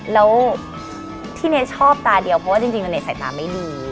แล้วที่เนยชอบตาเดียวเพราะว่าจริงแล้วเน็ตสายตาไม่ดี